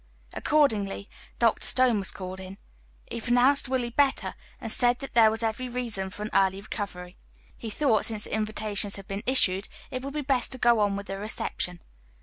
Accordingly Dr. Stone was called in. He pronounced Willie better, and said that there was every reason for an early recovery. He thought, since the invitations had been issued, it would be best to go on with the reception.